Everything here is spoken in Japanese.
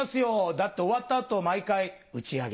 だって終わった後毎回打ち上げ。